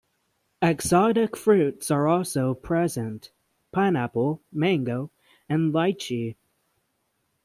Exotic fruits are also present: pineapple, mango, and lychee.